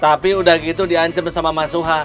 tapi udah gitu di ancam sama mas suha